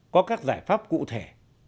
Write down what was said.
có các giải pháp cụ thể